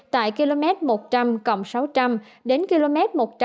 tại km một trăm linh sáu trăm linh đến km một trăm linh tám trăm linh